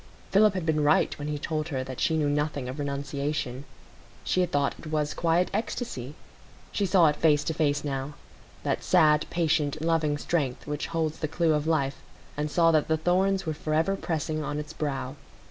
Philip had been right when he told her that she knew nothing of renunciation; she had thought it was quiet ecstasy; she saw it face to face now,—that sad, patient, loving strength which holds the clue of life,—and saw that the thorns were forever pressing on its brow.